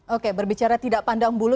oke berbicara tidak pandang bulu